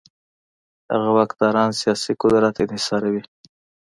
هغه واکداران سیاسي قدرت انحصاروي.